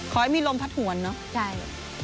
คอยมีลมพัดห่วนเนอะใช่